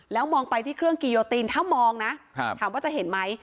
แล้วมองไปที่เครื่องกิโยตีนถ้ามองนะถามว่าจะเห็นไหม